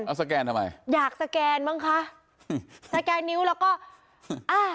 เอาสแกนทำไมอยากสแกนบ้างคะสแกนนิ้วแล้วก็อ่า